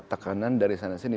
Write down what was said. tekanan dari sana sini